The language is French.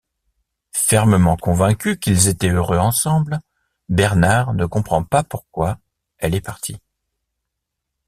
Fermement convaincu qu'ils étaient heureux ensemble, Bernard ne comprend pas pourquoi elle est partie.